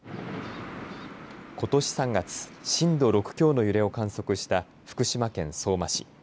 ことし３月、震度６強の揺れを観測した福島県相馬市。